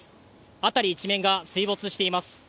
辺り一面が水没しています。